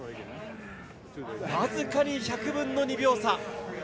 僅かに１００分の２秒差。